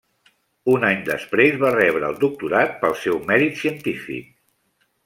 Un any després va rebre el doctorat pel seu mèrit científic.